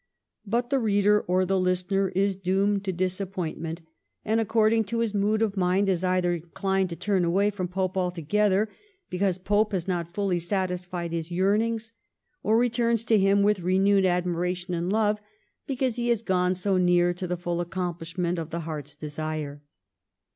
But the reader or the listener is doomed to disappointment, and, accord 252 THE REIGN OF QQEEN ANNE. ch. xxxn. ing to his mood of mind, is either inclined to turn away from Pope altogether because Pope has not fully satisfied his yearnings, or returns to him with renewed admiration and love because he has gone so near to the full accompUshment of the heart's desire.